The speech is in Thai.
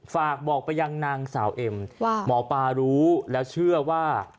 ฝากบอกไปยังนางสาวเอ็มว่าหมอปลารู้แล้วเชื่อว่า